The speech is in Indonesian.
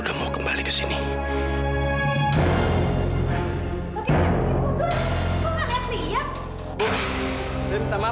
sebenarnya barangkali gak bisa kelima